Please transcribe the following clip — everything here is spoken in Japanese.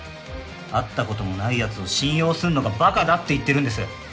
会ったこともない奴を信用するのが馬鹿だって言ってるんです。